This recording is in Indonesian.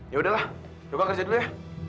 yaudah lah coba kerja dulu ya